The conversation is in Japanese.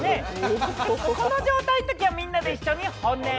この状態のときはみんなで一緒に、骨。